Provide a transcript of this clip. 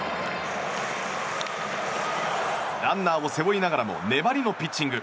ランナーを背負いながらも粘りのピッチング。